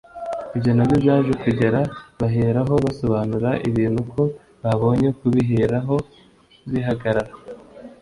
ibyo na byo byaje kugera baheraho basobanura ibintu uko babonye ku bihereaho bihagarara